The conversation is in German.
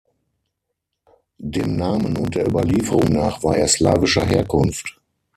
Dem Namen und der Überlieferung nach war er slawischer Herkunft.